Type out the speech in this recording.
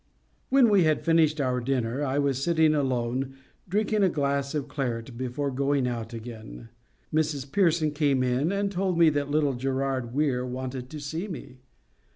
When we had finished our dinner, and I was sitting alone drinking a class of claret before going out again, Mrs Pearson came in and told me that little Gerard Weir wanted to see me.